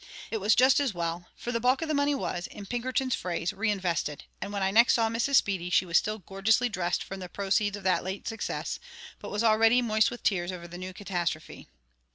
It was just as well; for the bulk of the money was (in Pinkerton's phrase) reinvested; and when next I saw Mrs. Speedy, she was still gorgeously dressed from the proceeds of the late success, but was already moist with tears over the new catastrophe.